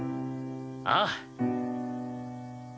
ああ。